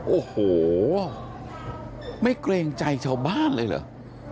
โอ้โหไม่เกรงใจชาวบ้านเลยเหรอ